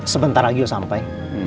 sebentar lagi ya sampai